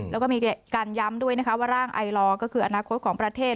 แล้วก็มีการย้ำด้วยนะคะว่าร่างไอลอร์ก็คืออนาคตของประเทศ